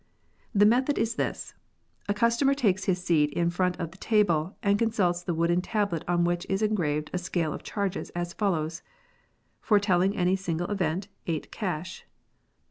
The method is this. A customer takes his seat in front of the table and con sults the wooden tablet on which is engraved a scale of charges as follows :— ForeteUing any single event, ... 8 cash.